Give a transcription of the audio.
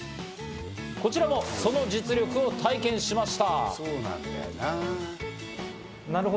こちらもその実力を体験しました。